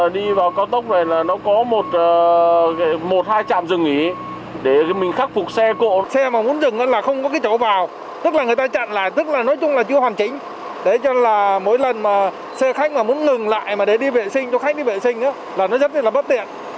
để cho là mỗi lần mà xe khách mà muốn ngừng lại mà để đi vệ sinh cho khách đi vệ sinh đó là nó rất là bất tiện